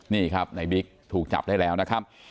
นี่ครับในบิ๊กถูกจับได้แล้วนะครับ